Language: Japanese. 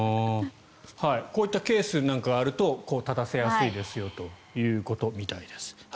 こういったケースなんかがあると立てやすいですよということみたいです。